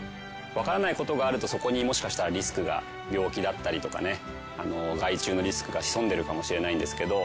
わからない事があるとそこにもしかしたらリスクが病気だったりとかね害虫のリスクが潜んでいるかもしれないんですけど。